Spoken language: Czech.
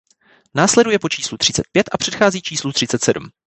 Následuje po číslu třicet pět a předchází číslu třicet sedm.